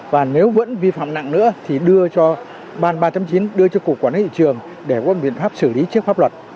và nếu vẫn vi phạm nặng nữa thì đưa cho ban ba chín đưa cho cụ quản lý thị trường để có một biện pháp xử lý trước pháp luật